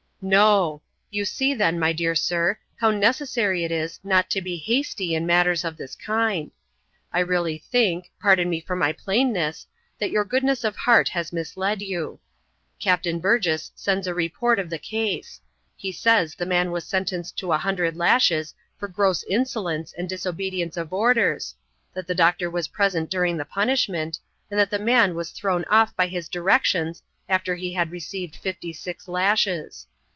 "No. You see, then, my dear sir, how necessary it is not to be hasty in matters of this kind. I really think pardon me for my plainness that your goodness of heart has misled you. Captain Burgess sends a report of the case. He says the man was sentenced to a hundred lashes for gross insolence and disobedience of orders, that the doctor was present during the punishment, and that the man was thrown off by his directions after he had received fifty six lashes.